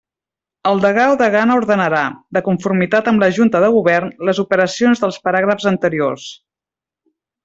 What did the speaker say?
El degà o degana ordenarà, de conformitat amb la Junta de Govern, les operacions dels paràgrafs anteriors.